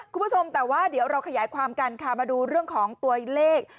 คุณผู้ชมแต่ว่าเดี๋ยวเราขยายความกันค่ะมาดูเรื่องของตัวเลข